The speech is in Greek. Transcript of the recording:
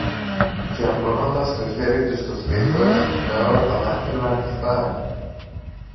και απλώνοντας το χέρι του στο στήθος με όλα τα δάχτυλα ανοιχτά.